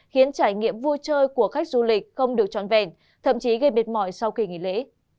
khiến trải nghiệm vui chơi của khách du lịch không được trọn vẹn thậm chí gây mệt mỏi sau kỳ nghỉ lễ